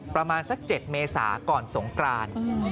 ประมาณสัก๗เมษาก่อนสงกราน